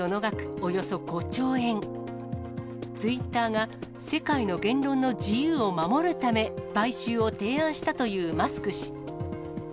Ｔｗｉｔｔｅｒが世界の言論の自由を守るため、買収を提案したというマスク氏。